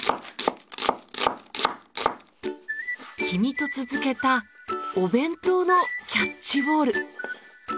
君と続けたお弁当のキャッチボール。